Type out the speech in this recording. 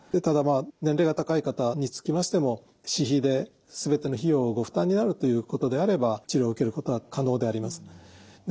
ただ年齢が高い方につきましても私費で全ての費用をご負担になるということであれば治療を受けることは可能であります。